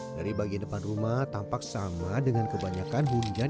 dari bagian depan rumah tampak sama dengan kebanyakan hujan